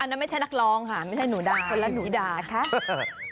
อันนั้นไม่ใช่นักรองค่ะไม่ใช่หนูดาด